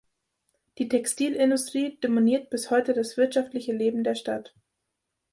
Die Textilindustrie dominiert bis heute das wirtschaftliche Leben der Stadt.